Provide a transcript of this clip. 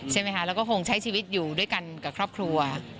ใช่ไหมคะแล้วก็คงใช้ชีวิตอยู่ด้วยกันกับครอบครัว